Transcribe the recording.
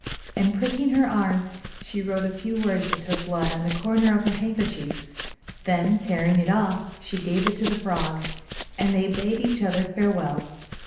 And pricking her arm, she wrote a few words with her blood on the corner of her handkerchief. Then tearing it off, she gave it to the frog, and they bade each other farewell.